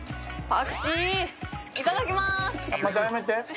いただきます。